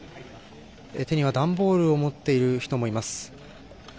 手には段ボールを持っている人もいます」